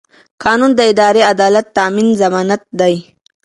قانون د اداري عدالت د تامین ضمانت دی.